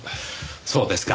そうですか。